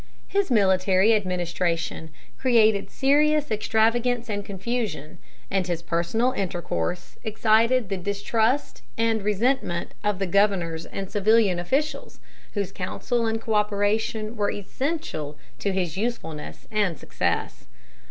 His military administration created serious extravagance and confusion, and his personal intercourse excited the distrust and resentment of the governors and civilian officials, whose counsel and coöperation were essential to his usefulness and success.